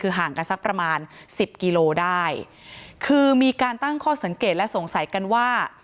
คือห่างกันสักประมาณสิบกิโลได้คือมีการตั้งข้อสังเกตและสงสัยกันว่า